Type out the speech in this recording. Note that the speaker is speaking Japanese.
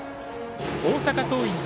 大阪桐蔭対